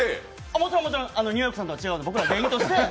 もちろん、ニューヨークさんとは違うんで、僕ら芸人として。